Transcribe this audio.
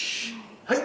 はい。